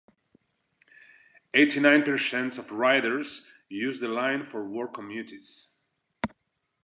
Eighty-nine percent of riders used the line for work commutes.